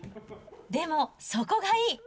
でも、そこがいい。